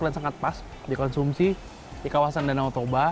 dan sangat pas dikonsumsi di kawasan danau toba